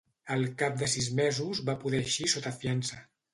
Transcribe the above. Al cap de sis mesos, va poder eixir sota fiança.